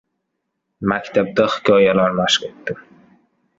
Maktabda hikoyalar mashq etdim.